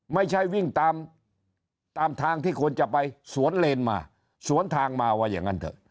ไม่ใช่วิ่งตามตามทางที่ควรจะไปสวนเลนมาสวนทางมาว่าอย่างนั้นเถอะ